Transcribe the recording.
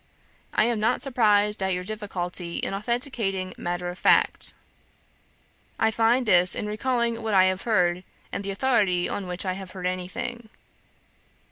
"I am not surprised at your difficulty in authenticating matter of fact. I find this in recalling what I have heard, and the authority on which I have heard anything.